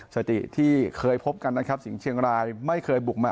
สติที่เคยพบกันสิงห์เชียงราวไม่เคยปลุกมา